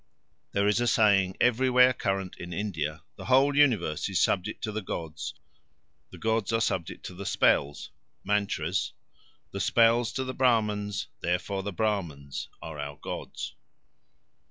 There is a saying everywhere current in India: "The whole universe is subject to the gods; the gods are subject to the spells (mantras); the spells to the Brahmans; therefore the Brahmans are our gods."